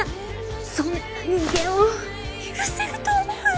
そんな人間を許せると思う？